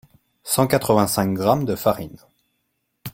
cent quatre vingt cinq grammes de farine